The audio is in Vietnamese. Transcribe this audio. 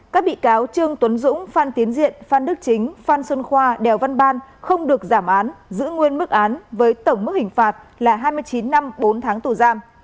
các bị cáo trương tuấn dũng phan tiến diện phan đức chính phan xuân khoa đèo văn ban không được giảm án giữ nguyên mức án với tổng mức hình phạt là hai mươi chín năm bốn tháng tù giam